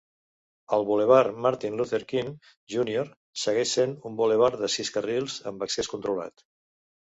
El bulevard Martin Luther King Junior segueix sent un bulevard de sis carrils amb accés controlat.